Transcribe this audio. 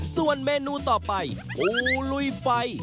ส่วนเมนูต่อไปปูลุยไฟ